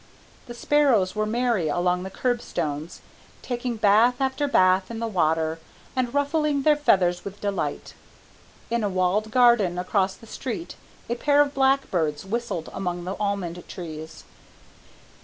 The sparrows were merry along the curb stones, taking bath after bath in the water and ruffling their feathers with delight. In a walled garden across the street a pair of blackbirds whistled among the almond trees.